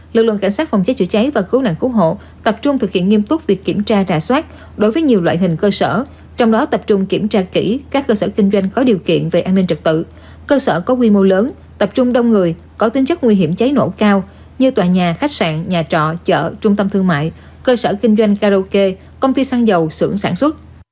lực lượng cảnh sát phòng cháy chữa cháy và cứu nạn cứu hộ tập trung thực hiện nghiêm túc việc kiểm tra ra soát đối với nhiều loại hình cơ sở trong đó tập trung kiểm tra kỹ các cơ sở kinh doanh có điều kiện về an ninh trật tự cơ sở có quy mô lớn tập trung đông người có tính chất nguy hiểm cháy nổ cao như tòa nhà khách sạn nhà trọ chợ trung tâm thương mại cơ sở kinh doanh karaoke công ty xăng dầu sưởng sản xuất